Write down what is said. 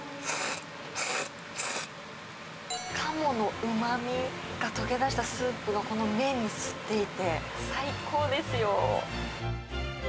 カモのうまみが溶けだしたスープを、この麺が吸っていて、最高ですよ。